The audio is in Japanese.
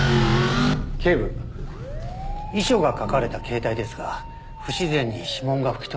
警部遺書が書かれた携帯ですが不自然に指紋が拭き取られていました。